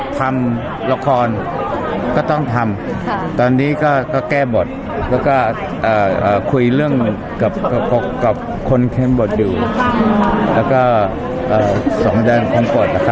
ทำละครก็ต้องทำตอนนี้ก็แก้บทก็เคยเรื่องความทรงจาลความกดนี้คือ